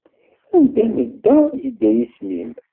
Anda nedda yedda yisem-im.